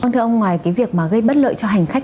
thưa ông ngoài cái việc mà gây bất lợi cho hành khách